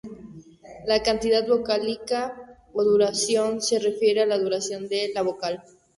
La cantidad vocálica, o duración, se refiere a la duración de la vocal.